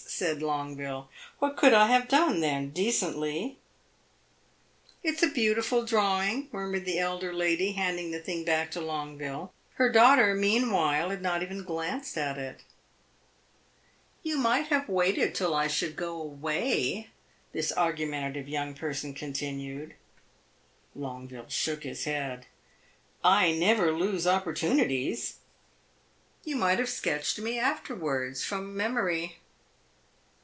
said Longueville. "What could I have done, then, decently?" "It 's a beautiful drawing," murmured the elder lady, handing the thing back to Longueville. Her daughter, meanwhile, had not even glanced at it. "You might have waited till I should go away," this argumentative young person continued. Longueville shook his head. "I never lose opportunities!" "You might have sketched me afterwards, from memory."